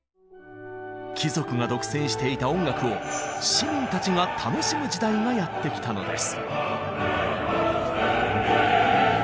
貴族が独占していた音楽を市民たちが楽しむ時代がやって来たのです。